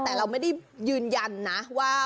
แต่เราไม่ได้ยืนยันนะว่า